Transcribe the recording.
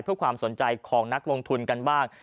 เพื่อความสนใจของนักลงทุนกันบ้าง